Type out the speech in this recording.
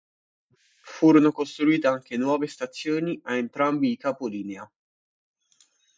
Furono costruite anche nuove stazioni a entrambi i capolinea.